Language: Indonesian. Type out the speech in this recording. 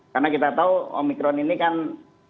karena kita tahu omikron ini kan berjalannya lebih lancar ya